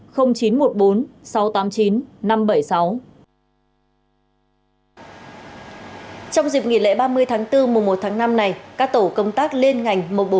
trong dịp nghỉ lễ ba mươi tháng bốn mùa một tháng năm này các tổ công tác liên ngành một trăm bốn mươi bốn